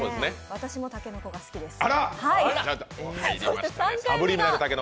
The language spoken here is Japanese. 私もたけのこが好きです。